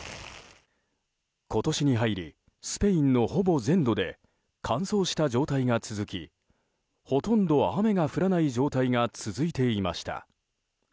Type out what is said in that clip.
今年に入りスペインのほぼ全土で乾燥した状態が続きほとんど雨が降らない状態が続いていました。